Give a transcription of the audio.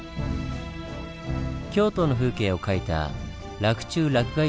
京都の風景を描いた「洛中洛外図屏風」。